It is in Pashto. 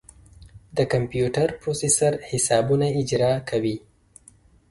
د کمپیوټر پروسیسر حسابونه اجرا کوي.